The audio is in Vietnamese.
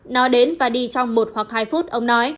nói đến và đi trong một hoặc hai phút ông nói